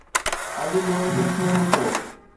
اڄ جو چشمو ڏسو.